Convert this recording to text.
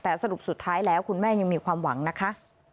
แต่สรุปสุดท้ายแล้วคุณแม่ยังมีความหวังนะคะ